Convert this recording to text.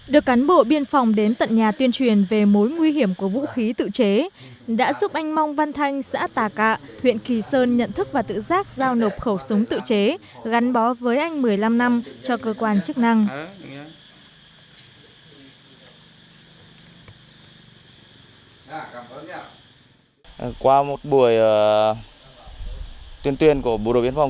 được cán bộ biên phòng đến tận nhà tuyên truyền về mối nguy hiểm của vũ khí tự chế đã giúp anh mong văn thanh xã tà cạ huyện kỳ sơn nhận thức và tự giác giao nộp khẩu súng tự chế gắn bó với anh một mươi năm năm cho cơ quan chức năng